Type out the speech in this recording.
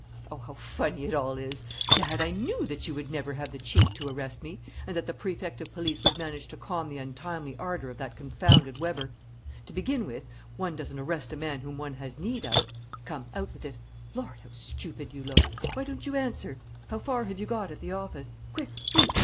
Oh, how funny it all is! Gad, I knew that you would never have the cheek to arrest me, and that the Prefect of Police would manage to calm the untimely ardour of that confounded Weber! To begin with, one doesn't arrest a man whom one has need of. Come, out with it! Lord, how stupid you look! Why don't you answer? How far have you got at the office? Quick, speak!